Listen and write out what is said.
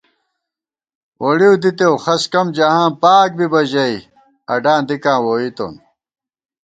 ووڑِؤ دِتېؤ خس کم جہاں پاک بِبہ ژَئی اڈاں دِکاں ووئیتون